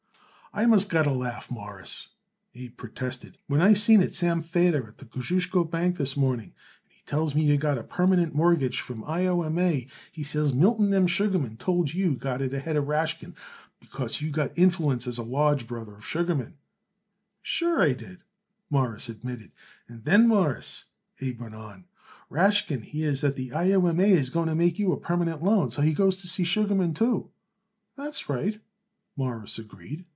"I must got to laugh, Mawruss," Abe protested, "when I seen it Sam Feder, of the Kosciusko Bank, this morning, and he tells it me you got a permanent mortgage from the I. O. M. A. He says Milton M. Sugarman told him you got it ahead of Rashkin, because you got influence as a lodge brother of Sugarman." "Sure, I did," Morris admitted. "And then, Mawruss," Abe went on, "Rashkin hears that the I. O. M. A. is going to make you a permanent loan, so he goes to see Sugarman too." "That's right," Morris agreed.